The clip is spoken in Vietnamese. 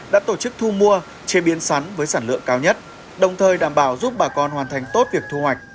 đã tổ chức thu mua chế biến sắn với sản lượng cao nhất đồng thời đảm bảo giúp bà con hoàn thành tốt việc thu hoạch